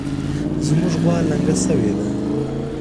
زمونږ غوا لنګه شوې ده